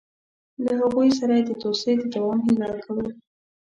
له هغوی سره یې د دوستۍ د دوام هیله کوله.